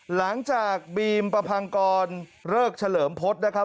หลังจากบีมประพังกรเริกเฉลิมพฤษนะครับ